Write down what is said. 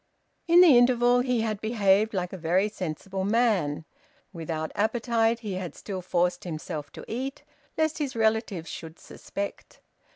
In the interval he had behaved like a very sensible man. Without appetite, he had still forced himself to eat, lest his relatives should suspect.